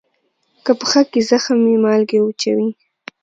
که پښه کې زخم وي، مالګه یې وچوي.